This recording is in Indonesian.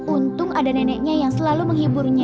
untung ada neneknya yang selalu menghiburnya